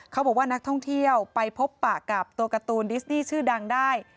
เขาบอกว่านักท่องเที่ยวไปพบปะกับตัวการ์ตูนดิสดี้ชื่อดังได้